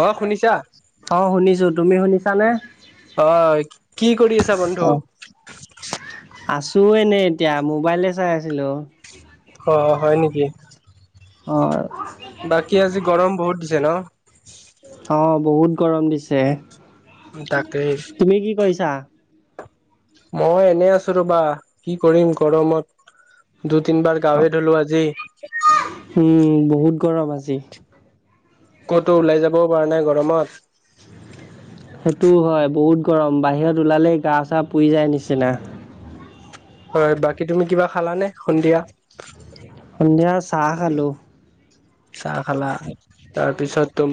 অ শুনিছা অ শুনিছো তুমি শুনিছানে? হয় কি কৰি আছা বন্ধু? আছো এনে এতিয়া মোবাইলে চাই আছিলো। অ হয় নেকি? হয়। বাকী আজি গৰম বহুত দিছে ন? অ বহুত গৰম দিছে তাকেই তুমি কি কৰিছা? মই এনে আছো ৰবা কি কৰিম গৰমত- দুই তিনবাৰ গাঁৱে ধলো আজি অহ উম বহুত গৰম আজি। ক'তো ওলাই যাবও পৰা নাই গৰমত। সেইটো হয় বহুত গৰম বাহিৰত ওলালেই গা চা পুৰি যায় নিচিনা। হয় বাকী তুমি কিবা খালানে সন্ধিয়া? সন্ধিয়া চাহ খালো। চাহ খালা তাৰপিছত তো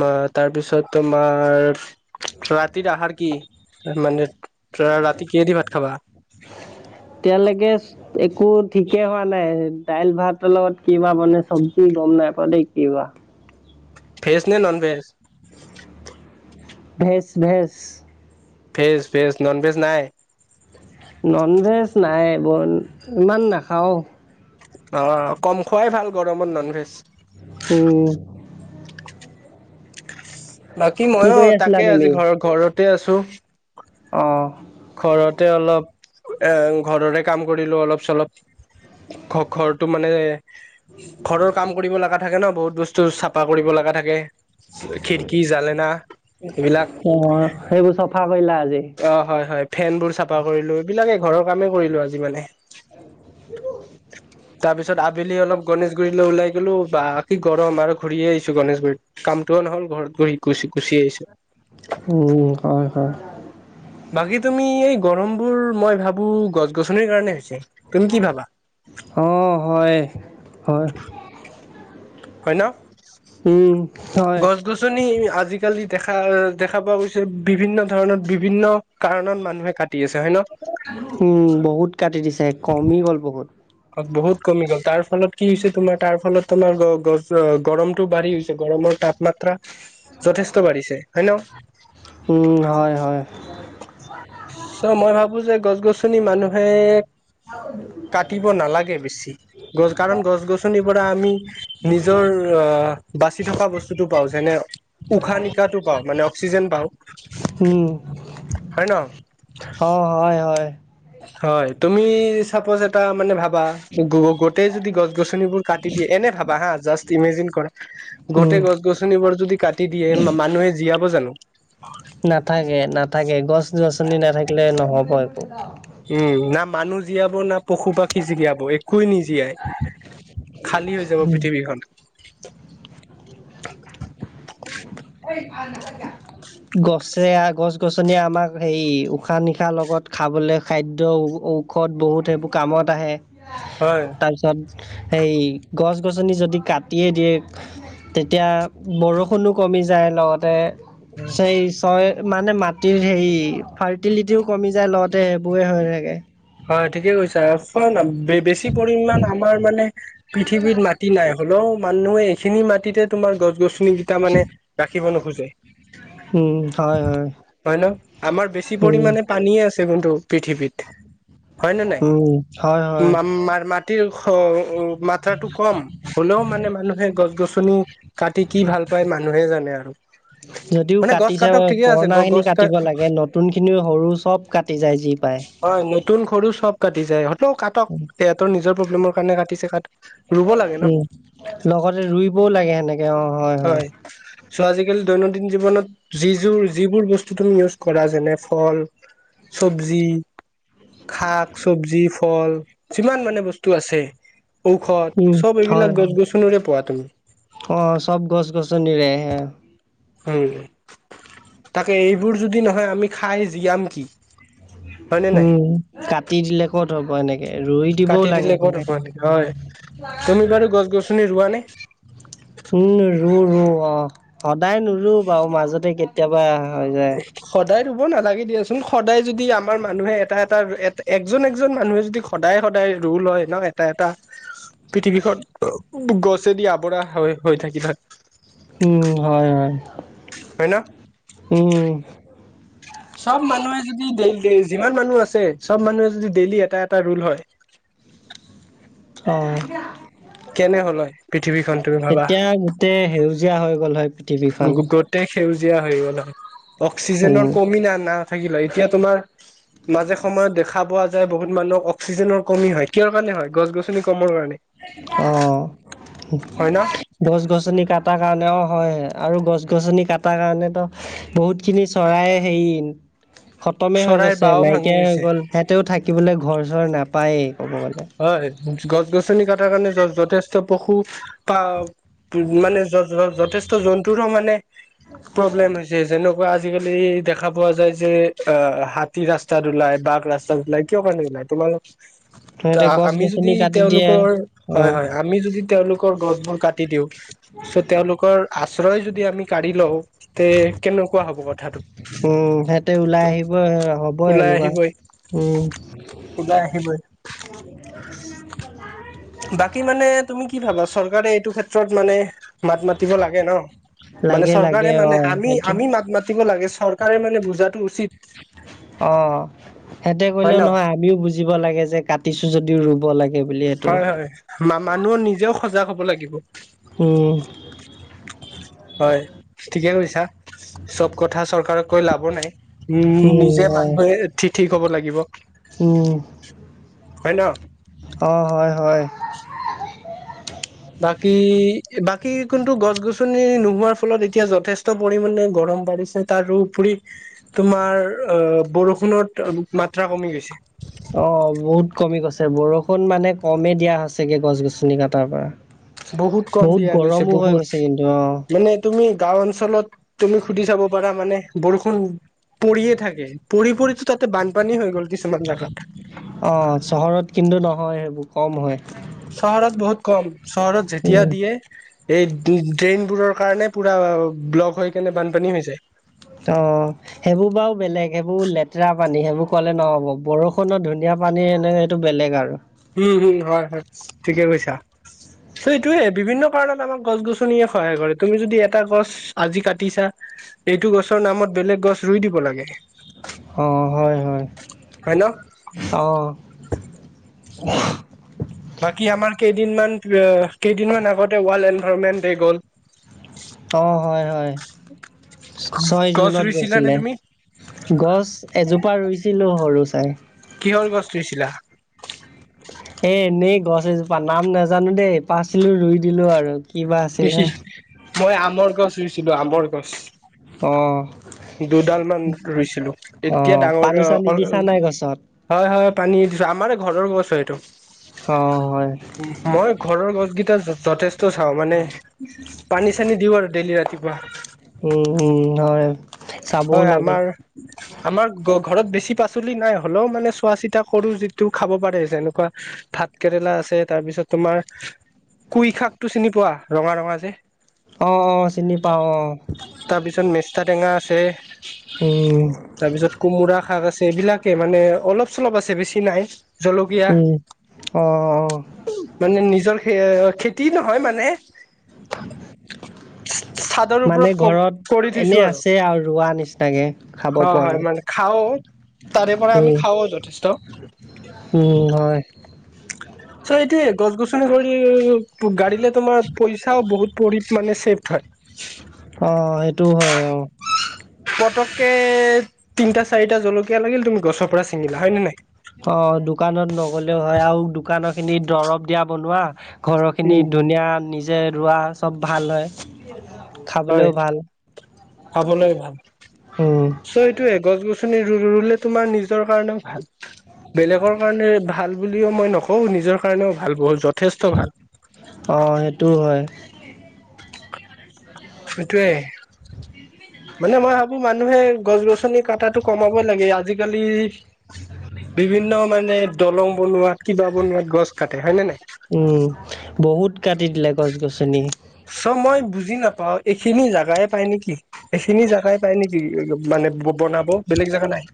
মাৰ তাৰপিছত তোমাৰ ৰাতিৰ আহাৰ কি মানে ৰা ৰাতি কিহে দি ভাত খাবা? এতিয়ালৈকে একো ঠিকে হোৱা নাই দাইল ভাতৰ লগত কিবা মানে চব্জি গম নাই পোৱা দেই কি ৱাহ। [unintelligible] ভেজ নে non veg? Veg veg. Veg veg non veg নাই। ননভেজ নাই বৰ ইমান নাখাওঁ। অ কম খোৱাই ভাল গৰমত নন ভেজ। উম বাকী কি মইয়ো কৰি আছিলা তাকে আজি ঘৰ ঘৰতে আছো- অহ ঘৰতে অলপ এ ঘৰতে কাম কৰিলো অলপ চলপ ঘ ঘৰটো মানে- ঘৰৰ কাম কৰিব লগা থাকে ন, বহুত বস্তু চাফা কৰিব লগা থাকে, - খিৰিকী, জালেনা এইবিলাক। অ', সেইবোৰ চফা কৰিলা আজি? অ হয় হয় ফেনবোৰ চাফা কৰিলো, এইবিলাকে ঘৰৰ কামেই কৰিলো আজি মানে। হ [unintelligible] তাৰপিছত আবেলি অলপ গণেশগুৰিলৈ ওলাই গলো বা কি গৰম আৰু ঘূৰিয়ে আহিছো গণেশগুৰিত কামটো নহ'ল ঘৰত গহি গুচি গুচি আহিছো। উম, হয়, হয় [unintelligible] বাকী তুমি এই গৰম বোৰ মই ভাবো গছ -গছনিৰ কাৰণে হৈছে। তুমি কি ভাবা? অ', হয়, হয়। হয় ন? উম, হয়। গছ -গছনি আজি আজিকালি দেখা দেখা পোৱা গৈছে বিভিন্ন ধৰণত বিভিন্ন কাৰণত মানুহে কাটি আছে হয় ন উম বহুত কাটি দিছে কমি গ'ল বহুত। বহুত কমি গ'ল তাৰ ফলত কি হৈছে তোমাৰ তাৰ ফলত তোমাৰ গ গছ গৰমতটো বাঢ়ি গছে গৰমত তাপমাত্ৰা যথেষ্ট বাঢ়িছে হয় ন? উম, হয়, হয়, চ মই ভাবো যে গছ গছনি মানুহে [unintelligible] কাটিব নালাগে বেছি গছ কাৰণ গছ গছনিৰ পৰা আমি নিজৰ অহ বাচি থকা বস্তুটো পাও যেনে। উশাহ -নিশাহটো পাওঁ মানে অক্সিজেন পাওঁ উম, হয় ন। অ হয় হয় হয় তুমি চাপজ এটা মানে ভাব বা গেতেই যদি গছ-গছনিবোৰ কাতি দিয়ে এনে ভাবা হা জাচ ইমেজিন কৰা উম। গছ -গছনিবোৰ যদি কাটি দিয়ে মানুহে জীয়াব জানো। নাথাকে নাথাকে। গ -গছনি নাথাকিলে নহ'ব আৰু উম না মানুহ জীয়াব না পশু -পাখী জীয়াব একোৱে নিজ জীয়াই খালী হৈ যাব পৃথিৱীখন [unintelligible] গছে গছ গছনিয়ে আমাক হেই উশা -নিশাহ লগত খাবলে খাদ্য ঔষদ বহুত সেইবোৰ কামত আহে হয় তাপিছত গছ গছনি যদি কাটিয়ে দিয়ে তেতিয়া বৰষুণো কমি যায় লগতে চেই চয় মানে মাটিৰ হেৰি ফাৰ্টিলিটিও কমি যায় লতে সেইবোৰে হৈ থাকে। হয় ঠিকে কৈছা ছোৱানা। বেছি পৰিমান আমাৰ মানে পৃথিৱীত মাটি নাই হ'লেও মানুহে এইখিনি মাটিতে তোমাৰ গছ -গছনি কেইটা মানে ৰাখিব নোখোজে। উম হয় হয় হয় ন আমাৰ বেছি উম পৰিমানে পানীয়ে আছে কিন্তু পৃথিৱীত। উম। হয় হয় ম মাটিৰ মাত্ৰাটো কম হ'লেও মানে মানুহে গছ গছনি কাটি কি ভাল পায় মানুহে জানে আৰু যদিও মানে গছ কাটিছে কাটক ঠিকে আছে পুৰণা খিনি গছ ক কাটিব লাগে নতুন খিনি সৰু চব কাটি যায় জী হয় নতুন সৰু চব কাটি যায় হতও কাটক সিহঁতৰ নিজৰ প্ৰব্লেমৰ কাৰণে কাটিছে কাটক উম লগতে ৰুইবও লাগে সেনেকে অ হয় হয় চ' আজিকালি দৈনন্দিন জীৱনত যি যোৰ যিবোৰ বস্তু তুমি ইউজ কৰা যেনে ফল চবজি শাক চবজি ফল যিমান মানে বস্তু আছে। ঔষধ উম চব হয় এইবিলাক গছ -গছনিৰে পোৱা তুমি অ চব গছ গছনিৰে এ উম তাকে এইবোৰ যদি নহয় আমি খাই জীয়াম কি? হয়নে নাই উম কাটি দিলে ক'ত হব এনেকে ৰুই দিবও কাটি লাগে দিলে ক'ত সেনেকে হ'ব নেকি? হয় তুমি বাৰু গছ গছনি ৰোৱা নে উম ৰু ৰু অ সদায় নৰু বাৰু মাজতে কেতিয়াবা হয় যায় সদায় ৰুব নালাগে দিয়াচোন সদায় যদি আমাৰ মানুহে এটা এটা একজন একজন মানুহে যদি সদায় সদায় ৰোল হয় ন এটা এটা পৃথিৱীখনত গছেদি আৱৰা হৈ হৈ থাকিল হয় উম হয় হয় হয় ন উম চব মানুহে যদি যিমান মানুহ আছে চব মানুহে যদি ডেইলি এটা এটা ৰোল হয় [inaudible] অহ কেনে হ'ল হয় পৃথিৱীখন তুমি ভাবা তেতিয়া গোটেই সেউজীয়া হৈ গ'ল হয় পৃথিৱীখন গোটেই সেউজীয়া হৈ গল উম অক্সিজেনৰ কমি না না নাথাকিল হয় এতিয়া তোমাৰ মাজে সময়ত দেখা পোৱা যায় বহুত মানুহক অক্সিজেনৰ কমি হয় কিহৰ কাৰণে হয় গছ গছনি কমৰ কাৰণে অ হয় ন গছ গছনি কাটা কাৰণেও অ হয় আৰু গছ গছনি কটাৰ কাৰণেতো বহুত খিনি চৰাই হেৰি খতমে হৈ চৰাইৰ গৈছে বাও ভাঙি নাইকিয়াই হৈ গৈছে গল সিহঁতেও থাকিবলৈ ঘৰ চৰ নাপায়েই ক'ব গ'লে। হয় গছ গছনি কটাৰ কাৰণে যথেষ্ট পশু পা মানে যথেষ্ট জন্তুৰো মানে প্ৰব্লেম হৈছে যেনে যেনেকুৱা আজিকালি দেখা পোৱা যায় যে অ হাতী ৰাস্তাত উলাই বাঘ ৰাস্তা উলাই কিহৰ কাৰণে উলাই তোমালোক সিহঁতে গছ আমি যদি গছনি কাটি দিয়ে তেওঁলোকৰ অ হয় হয় আমি যদি তেওঁলোকৰ গছবোৰ কাটি দিওঁ চ' তেওঁলোকৰ আশ্ৰয় যদি আমি কাঢ়ি লও তে কেনেকুৱা হব কথাটো উম সিহঁতে ত ওলাই আহিব হ'ব ওলাই এনেকুৱা আহিবই উম ওলাই আহিবই [unintelligible] বাকী মানে তুমি কি ভাবা চৰকাৰে এইটো ক্ষেত্ৰত মানে মাত মাতিব লাগে ন মানে লাগে লাগে চৰকাৰে অ মানে আমি সেইটো আমি মাত মাতিব লাগে চৰকাৰে মানে বুজাটো উচিত অ হেতে হয় কলেও ন নহয় আমিও বুজিব লাগে যে কাটিছো যদিও ৰুব লাগে সেইবুলি এইটো মানুহৰ নিজেও সজাগ হ'ব লাগিব উম হয় ঠিকে কৈছা চব কথা চৰকাৰক কৈ লাভও নাই উম নিজে মানুহে ঠিক ঠিক হব লাগিব উম হয় ন অ হয় হয় বাকী বাকী কোনটো গছ গছনি নোহোৱাৰ ফলত এতিয়া যথেষ্ট পৰিমাণে গৰম পৰে পৰিছে তাৰোপৰি তোমাৰ অ বৰষুণত মাত্ৰা কমি গৈছে অ বহুত কমি গৈছে বৰষুণ মানে কমেই দিয়া হৈছেগে গছ গছনি কটাৰ পৰা বহুত কম দিয়া গৈছে গৰমো হৈ বহুত গৈছে কিন্তু অ মানে তুমি গাঁও অঞ্চলত তুমি সুধি চাব পাৰা মানে বৰষুণ পৰিয়ে থাকে পৰি পৰিতো তাতে বানপানী হৈ গ'ল কিছুমান জেগাত অ চহৰত কিন্তু নহয় সেইবোৰ কম হয় চহৰত বহুত কম চহৰত যেতিয়া উম দিয়ে এই ড্ৰেইনবোৰৰ কাৰণে পোৰা ব্লক হৈ কেনে বানপানী হৈ যায় অ সেইবোৰ বাৰু বেলেগ সেইবোৰ লেতেৰা পানী সেইবোৰ কলে নহব বৰষুণত ধুনীয়া পানী এনেকে এইটো বেলেগ আৰু উম হম হয় হয় ঠিকে কৈছা ত এইটোয়ে বিভিন্ন কাৰণত আমাক গছ গছনিয়ে সহায় কৰে তুমি যদি এটা গছ আজি কাটিছা এইটো গছৰ নামত বেলেগ গছ ৰুই দিব লাগে অ হয় হয় হয় ন অহ [unintelligible] বাকী আমাৰ কেইদিনমান -কেইদিনমান আগতে ৱৰ্ল্ড এনভাইৰনমেন্ট ডে গ'ল। অহ, হয়- হয়। ছয় গছ জুনত ৰুইছিলা নে গৈছিলে তুমি গছ এজোপ ৰুইছিলো সৰু চাই কিহৰ গছ ৰুইছিলা? এ এনেই গছ এজোপা নাম নাজানো দেই পাছিলো ৰুই দিলো আৰু। কিবা আছিলে মই আমৰ গছ ৰুইছিলো আমৰ গছ। অহ দুডাল মান ৰুইছিলো এতিয়া অ', ডাঙৰ পানী চানী দিছা নাই গছত? [unintelligible] হয় -হয় পানী [unintelligible] আমাৰে ঘৰৰ গছ হয় এটো অ', হয়। মই ঘৰৰ গছ যথেষ্ট চাওঁ মানে পানী -চানী দিও আৰু দেইলি ৰাতিপুৱা। উম -উম হয়। চাবও হয়, লাগে। আমাৰ- আমাৰ গ ঘৰত বেছি পাচলি নাই হ'লেও মানে চোৱা- চিতা কৰো যিটো খাব পাৰে যেনেকুৱা ভাত কেৰেলা আছে তাৰ পিছত তোমাৰ কুই শাক টো চিনি পোৱা ৰঙা ৰঙা যে অহ - অহ চিনি পাও অহ। তাৰপিছত মেষ্টা টেঙা আছে তাৰপিছত কোমোৰা শাক আছে এইবিলাকে মানে অলপ -চলপ আছে বেছি নাই। জলকীয়া, উম। অ', অ', [unintelligible] মানে নিজৰ এ খেতি নহয় মানে চাদৰ [inaudible] ওপৰত মানে ক কৰি ঘৰত থৈছো এনেই আৰু আছে আও ৰোৱা নিচিনাকে খাব হয় হয় পোৱাকে। মানে খাও তাৰে পৰা আমি উম, খাওঁৱ যথেষ্ট। উম হয়। চ' এইটোয়ে গছ -গছনি কৰি গাড়ীলে তোমাৰ পইচাও বহুত পৰি মানে ছেফ হয়। অহ, সেইটোও হয় অহ। পতককে তিনটা, চাৰিটা জলকীয়া লাগিল তুমি গছৰ পৰা ছিঙিলা হয় নে নাই? অহ, দোকানত নগলেও হয় আৰু দোকানৰ খিনি দৰৱ দিয়া বনোৱা ঘৰৰখিনি উম ধুনীয়া নিজে ৰোৱা চব ভাল হয়। হয়, খাবলৈও ভাল খাবলৈ ভাল উম চ' এইটোয়ে গছ গছনিৰ ৰুলে তোমাৰ নিজৰ কাৰণে ভাল বেলেগৰ কাৰণে ভাল বুলিও মই নকওঁ নিজৰ কাৰণেও ভাল বহ য'ত অ', সেইটোও হয়। এটোৱে [inaudible] মানুহে গছ -গছনি কাটাটো কমাব লাগে। আজিকালি বিভিন্ন মানে দলং বনোৱাত, কিবা বনোৱাত গছ কাটে হয় নে নাই? উম, বহুত কাটি দিলে গছ- গছনি। চ' মই বুজি নাপাও এইখিনি জোগাই পাই নেকি-এইখিনি জোগাই পায় নেকি মানে? বনাব বেলেগ জেগা নাই?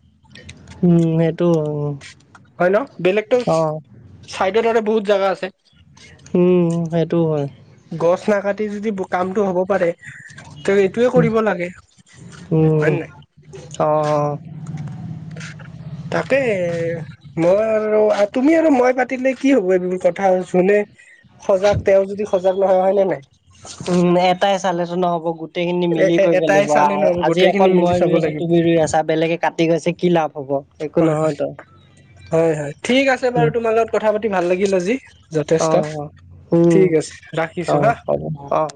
উম, সেইটো হয় উম। হয়, ন' বেলেগতো চাইডত আৰু বহুত জাগা আছে। উম, সেইটোও হয়। গছ নাকাটি যদি কামটো হ'ব পাৰে ত'এইটোয়ে কৰিব লাগে উম হয় নে নাই? অ তাকে মই আৰু, তুমি আৰু মই পাতিলে কি হ'ব এইবোৰ কথা জোনে সজাগ তেওঁ যদি সজাগ নহয় হয় নে নাই? উম, এটাই চালেতো নহ'ব গোট গোটেইখিনি মিলি এ কৰিব এটাই লাগিব চালে নহব আজি গোটেইখিনি অকল মিলি মই চাব ৰুই আছো লাগিব তুমি ৰুই আছা বেলেগে কাটি গৈছে কি লাভ। হব একো হয় নহয় হয় তো হয় হয় ঠিক আছে বাৰু তোমাৰ লগত কথা পাতি ভাল লাগিল আজি যথেষ্ট অহ অহ উম ঠিক আছে ৰাখিছো অহ হা হব অহ